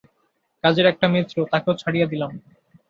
কাজের একটা মেয়ে ছিল তাকেও ছাড়িয়ে দিলাম।